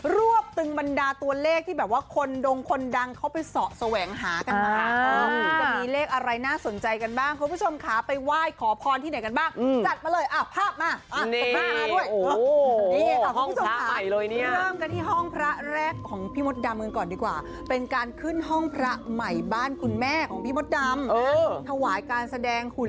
รวบตึงบรรดาตัวเลขที่แบบว่าคนดงคนดังเขาไปเสาะแสวงหากันมาจะมีเลขอะไรน่าสนใจกันบ้างคุณผู้ชมค่ะไปไหว้ขอพรที่ไหนกันบ้างจัดมาเลยอ่ะภาพมาสักครู่มาด้วยนี่ค่ะคุณผู้ชมค่ะเริ่มกันที่ห้องพระแรกของพี่มดดำกันก่อนดีกว่าเป็นการขึ้นห้องพระใหม่บ้านคุณแม่ของพี่มดดำถวายการแสดงหุ่น